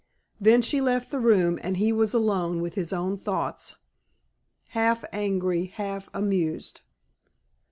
Then she left the room, and he was alone with his own thoughts half angry, half amused.